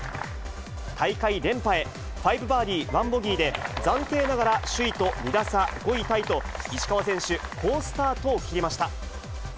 大会連覇へ、５バーディー１ボギーで暫定ながら首位と２打差、５位タイと、石川選手、好スタートを切りました。